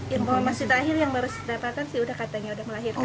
informasi terakhir yang baru saya dapatkan sih udah katanya udah melahirkan